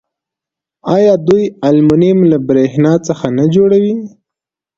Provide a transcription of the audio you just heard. آیا دوی المونیم له بریښنا څخه نه جوړوي؟